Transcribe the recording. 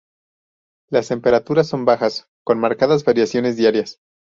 Las temperaturas son bajas, con marcadas variaciones diarias.